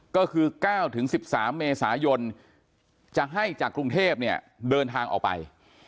ก็คือ๙๑๓เมษายนจะให้จากกรุงเทพเนี่ยเดินทางออกไป